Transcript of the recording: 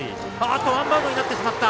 ワンバウンドになってしまった。